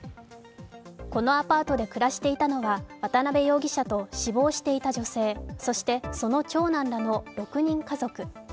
このアパートで暮らしていたのは、渡辺容疑者と死亡した女性、そして、その長男らの６人家族。